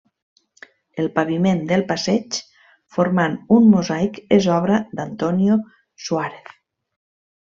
El paviment del passeig, formant un mosaic és obra d'Antonio Suárez.